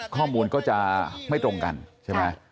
ข้อมูลก็จะไม่ตรงกันใช่ไหม